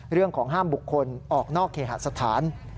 เรื่องของห้ามบุคคลออกนอกเคหสถาน